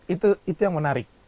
itu itu yang menarik